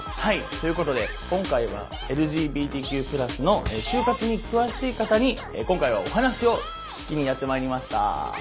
ということで今回はＬＧＢＴＱ＋の就活に詳しい方に今回はお話を聞きにやって参りました！